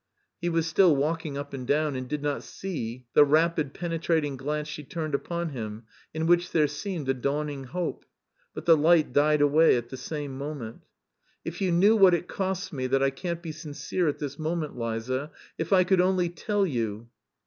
He was still walking up and down and did not see the rapid penetrating glance she turned upon him, in which there seemed a dawning hope. But the light died away at the same moment. "If you knew what it costs me that I can't be sincere at this moment, Liza, if I could only tell you..."